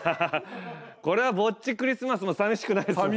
これはぼっちクリスマスも寂しくないですよね。